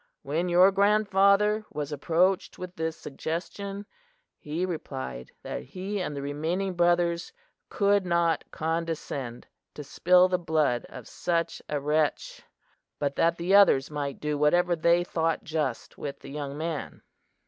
When your grandfather was approached with this suggestion, he replied that he and the remaining brothers could not condescend to spill the blood of such a wretch, but that the others might do whatever they thought just with the young man.